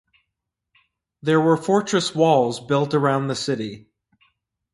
There were fortress walls built around the city.